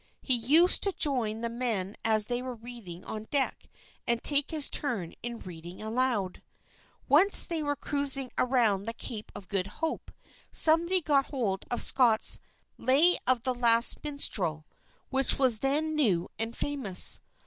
He used to join the men as they were reading on deck and take his turn in reading aloud. Once when they were cruising around the Cape of Good Hope, somebody got hold of Scott's "Lay of the Last Minstrel," which was then new and famous.